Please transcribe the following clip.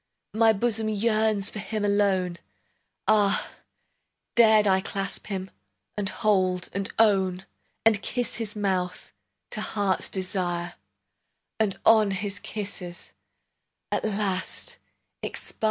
My bosom yearns For him alone; Ah, dared I clasp him, And hold, and own! And kiss his mouth, To heart's desire, And on his kisses At last expire!